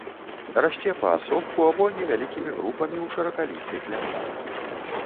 Расце паасобку або невялікімі групамі ў шыракалістых лясах.